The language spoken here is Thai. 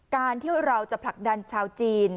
การที่เราจะผลักดันชาวจีน